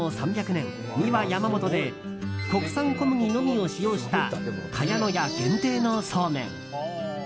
３００年、三輪山本で国産小麦のみを使用した茅乃舎限定のそうめん。